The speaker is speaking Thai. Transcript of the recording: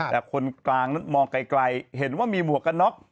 แต่คนกลางนั้นมองไกลเห็นว่ามีหมวกกันน็อก